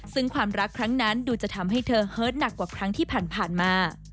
ซึ่งความรักครั้งนั้นดูจะทำให้เธอเฮิตหนักกว่าครั้งที่ผ่านมา